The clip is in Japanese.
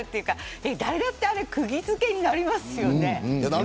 誰だってくぎ付けになりますよね。